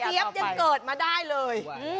ลูกเยี๊ยบยังเกิดมาได้เลย